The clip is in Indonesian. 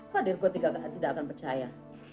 pak dirgo tidak akan percaya